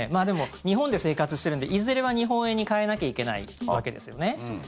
でも、日本で生活してるのでいずれは日本円に替えなきゃいけないわけですね。